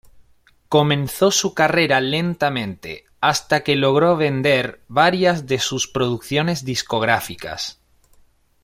Comenzó su carrera lentamente, hasta que logró vender varias de sus producciones discográficas.